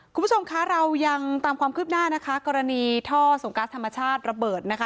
คุณผู้ชมคะเรายังตามความคืบหน้านะคะกรณีท่อส่งกัสธรรมชาติระเบิดนะคะ